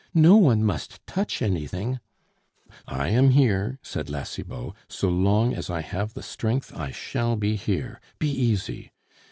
No one must touch anything " "I am here," said La Cibot; "so long as I have the strength I shall be here. Be easy.